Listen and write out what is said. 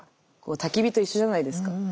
たき火と一緒じゃないですか。